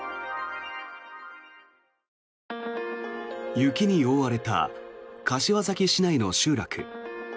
雪に覆われた柏崎市内の集落。